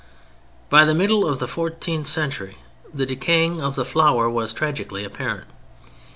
By the middle of the fourteenth century the decaying of the flower was tragically apparent.